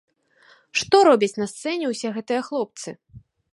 Што робяць на сцэне ўсе гэтыя хлопцы?